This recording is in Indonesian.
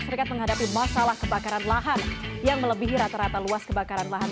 serikat menghadapi masalah kebakaran lahan yang melebihi rata rata luas kebakaran lahan